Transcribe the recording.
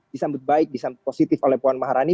disambut baik disambut positif oleh puan maharani